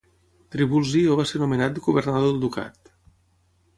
Trivulzio va ser nomenat governador del ducat.